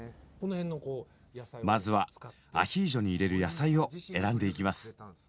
まずはアヒージョに入れる野菜を選んでいきます。